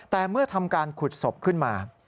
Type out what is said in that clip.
แต่เมื่อทำการขุดศพขึ้นมา